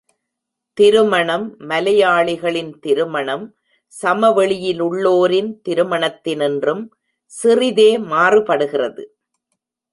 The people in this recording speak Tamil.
திருமணம் மலையாளிகளின் திருமணம் சமவெளியிலுள்ளோரின் திருமணத்தினின்றும் சிறிதே மாறுபடுகிறது.